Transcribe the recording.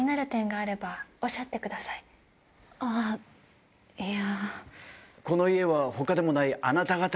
あっいや。